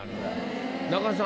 中田さん